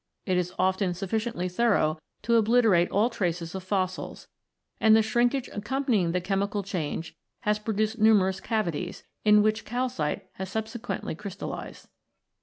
It is often sufficiently thorough to obliterate all traces of fossils, and the shrinkage accompanying the chemical change has produced numerous cavities, in which calcite has subsequently crystallised.